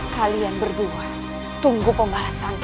kalian berdua tunggu pembalasannya